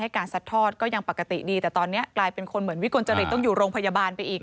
การซัดทอดก็ยังปกติดีแต่ตอนนี้กลายเป็นคนเหมือนวิกลจริตต้องอยู่โรงพยาบาลไปอีก